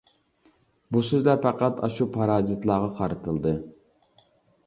بۇ سۆزلەر پەقەت ئاشۇ پارازىتلارغا قارىتىلدى.